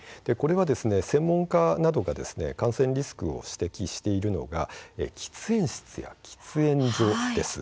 専門家などが感染のリスクを指摘しているのが喫煙室や喫煙所です。